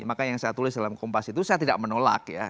maka yang saya tulis dalam kompas itu saya tidak menolak ya